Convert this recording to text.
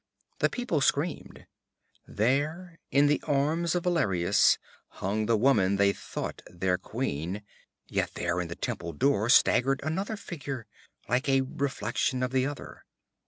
The people screamed; there in the arms of Valerius hung the woman they thought their queen; yet there in the temple door staggered another figure, like a reflection of the other.